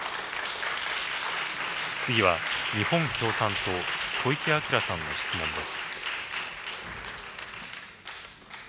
次は日本共産党、小池晃さんの質問です。